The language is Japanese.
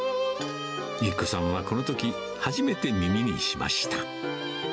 由希子さんはこのとき、初めて耳にしました。